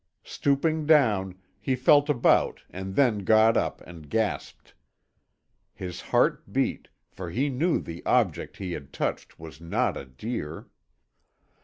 Stooping down, he felt about and then got up and gasped. His heart beat, for he knew the object he had touched was not a deer.